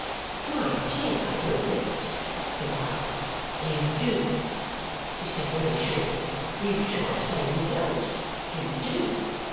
"My dear, I don't know it," said I. "You do," she said very shortly. "You shan't say you don't. You do!"